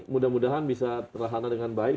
mudah mudahan bisa terlaksana dengan baik